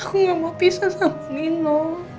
aku nggak mau pisah sama nino